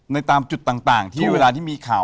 ตามจุดต่างที่เวลาที่มีข่าว